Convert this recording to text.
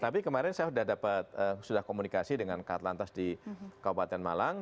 tapi kemarin saya sudah dapat sudah komunikasi dengan kak atlantas di kabupaten malang